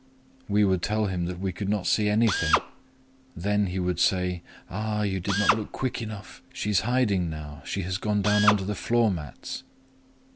We would tell him that we could not see anything. Then he would say, 'Ah! you did not look quick enough: she is hiding now;—she has gone down under the floor mats.'